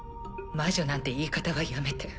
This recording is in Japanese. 魔女なんて言い方はやめて。